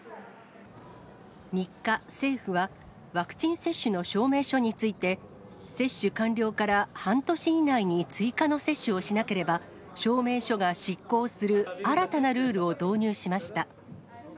３日、政府はワクチン接種の証明書について、接種完了から半年以内に追加の接種をしなければ、証明書が失効する新たなルールを導入しました。